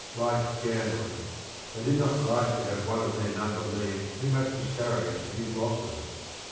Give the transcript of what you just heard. Like gamblers they did not like to have one of their number leave too much discouraged at his losses.